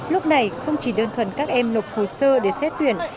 lúc này không chỉ đơn thuần các em nộp hồ sơ để xét tuyển